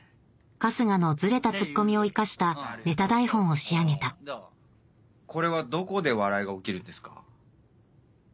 春日のズレたツッコミを生かしたネタ台本を仕上げたこれはどこで笑いが起きるんですか？